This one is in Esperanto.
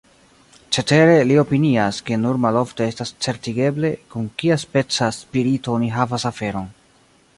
Cetere, li opinias, ke nur malofte estas certigeble, kun kiaspeca spirito oni havas aferon.